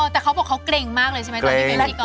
แต่เขาบอกเขาเกร็งมากเลยใช่ไหม